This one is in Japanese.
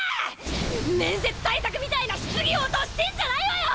面接対策みたいな質疑応答してんじゃないわよ！